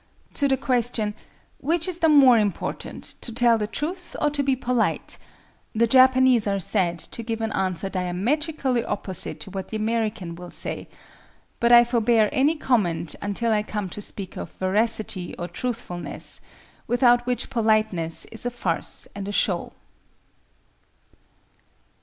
To the question, "Which is the more important, to tell the truth or to be polite?" the Japanese are said to give an answer diametrically opposite to what the American will say,—but I forbear any comment until I come to speak of VERACITY OR TRUTHFULNESS, without which Politeness is a farce and a show.